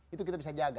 itu kita bisa jaga